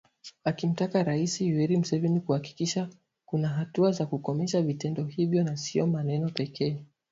akimtaka RaisiYoweri Museveni kuhakikisha kuna hatua za kukomesha vitendo hivyo na sio maneno pekee